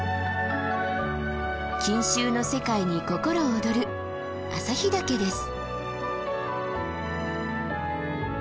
錦秋の世界に心躍る朝日岳です。